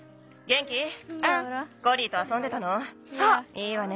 いいわね。